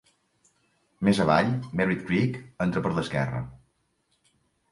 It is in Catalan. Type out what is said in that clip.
Més avall, Merritt Creek entra per l'esquerra.